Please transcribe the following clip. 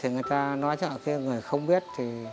người ta nói cho người không biết